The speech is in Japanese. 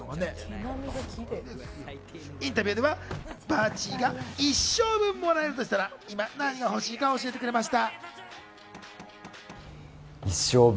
インタビューでは、ばーちーが一生分もらえるとしたら今、何が欲しいか教えてくれました。